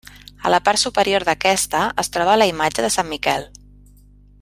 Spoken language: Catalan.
A la part superior d'aquesta es troba la imatge de Sant Miquel.